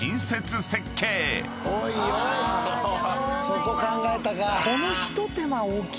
そこ考えたか。